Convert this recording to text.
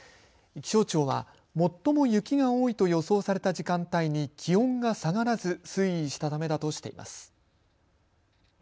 気象庁は最も雪が多いと予想された時間帯に気温が下がらず推移したためだとしています。